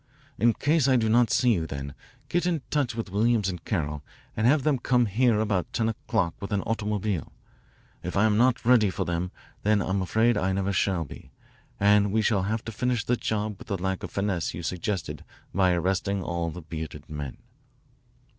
"In case I do not see you then, get in touch with Williams and Carroll and have them come here about ten o'clock with an automobile. If I am not ready for them then I'm afraid I never shall be, and we shall have to finish the job with the lack of finesse you suggested by arresting all the bearded men."